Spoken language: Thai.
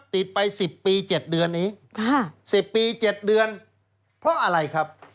ติดไป๑๐ปี๗เดือนนี้๑๐ปี๗เดือนเพราะอะไรครับ